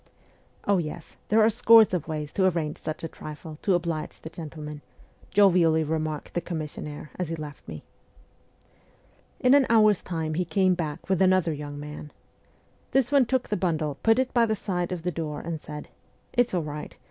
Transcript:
' Oh yes. There are scores of ways to arrange such a trifle, to oblige the gentleman,' jovially remarked the commissionnaire, as he left me. In an hour's time he came back with another young man. This one took the bundle, put it by the side of the door, and said: 'It's all right.